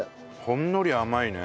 ほんのり甘いね。